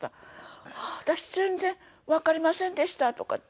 「私全然わかりませんでした」とかって。